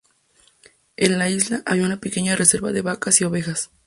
En la isla había una pequeña reserva de vacas y ovejas.